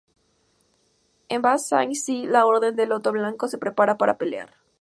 En Ba Sing Se, La Orden del Loto Blanco se prepara para pelear.